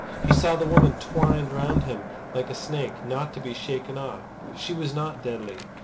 He saw the woman twined round him like a snake, not to be shaken off. She was not deadly.